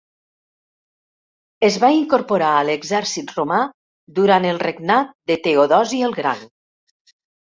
Es va incorporar a l'exèrcit romà durant el regnat de Teodosi el Gran.